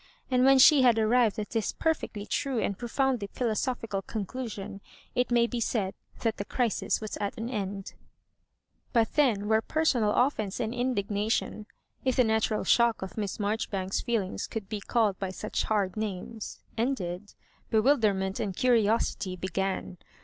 And when she had arrived at this perfectly true and profoundly philosophical conclusion, it may be said that the crisis was at an end. But then where personal offence and indig nation (if the natural shock of Miss Marjori banks*8 feelings could be called by such hard names) ended, bewilderment and curiosity be gan.